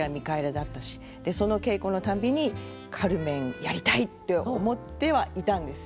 その稽古の度にカルメンやりたいって思ってはいたんです。